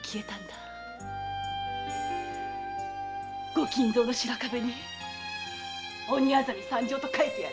ご金蔵の白壁に「鬼薊参上」と書いてやる！